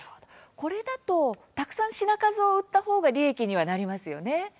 これだと、たくさん品数を売ったほうが利益にはなりますよね。